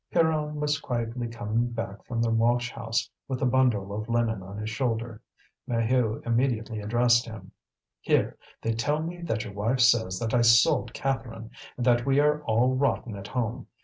Pierron was quietly coming back from the washhouse with the bundle of linen on his shoulder. Maheu immediately addressed him: "Here! they tell me that your wife says that I sold Catherine, and that we are all rotten at home.